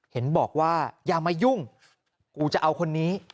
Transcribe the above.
เห็นบอกว่าอย่ามายุ่งกูจะเอาคนนี้